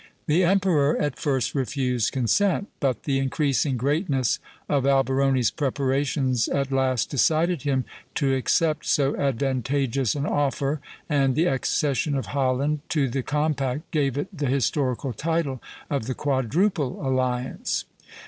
The emperor at first refused consent; but the increasing greatness of Alberoni's preparations at last decided him to accept so advantageous an offer, and the accession of Holland to the compact gave it the historical title of the Quadruple Alliance.